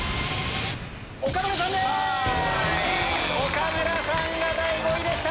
岡村さんが第５位でした！